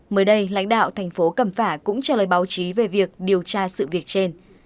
mới đây lãnh đạo thành phố cẩm phả cũng trả lời báo chí về việc điều tra sự việc trên